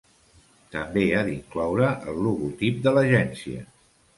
També ha d'incloure el logotip de l'Agència.